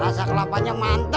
rasa kelapanya mantep dah